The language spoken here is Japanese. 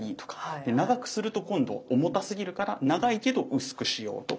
で長くすると今度重たすぎるから長いけど薄くしようとか。